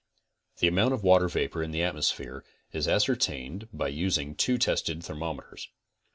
The amount of water vapor in the atmosphere is ascertained by using two tested thermometers.